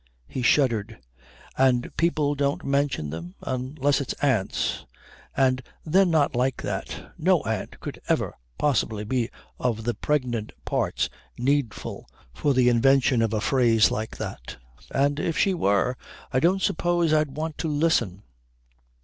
He shuddered. "And people don't mention them, unless it's aunts. And then not like that. No aunt could ever possibly be of the pregnant parts needful for the invention of a phrase like that. And if she were I don't suppose I'd want to listen."